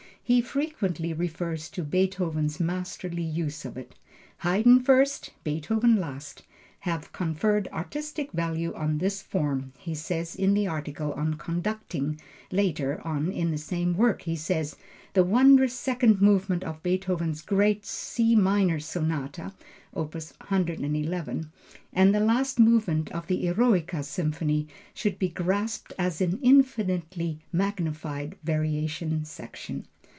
He frequently refers to Beethoven's masterly use of it. "Haydn first, Beethoven last, have conferred artistic value on this form," he says in the article on conducting; later on in the same work, he says, "the wondrous second movement of Beethoven's great C minor Sonata" (opus 111), "and the last movement of the Eroica Symphony should be grasped as an infinitely magnified Variation section."